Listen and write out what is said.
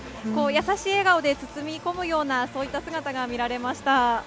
優しい笑顔で包み込むような姿が見られました。